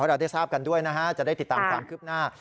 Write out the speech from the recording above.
เราได้ทราบกันด้วยนะฮะจะได้ติดตามความคืบหน้า